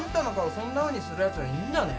そんなふうにするやつがいんだね。